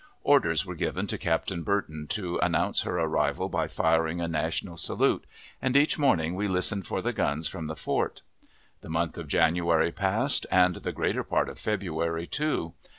Orders were given to Captain Burton to announce her arrival by firing a national salute, and each morning we listened for the guns from the fort. The month of January passed, and the greater part of February, too.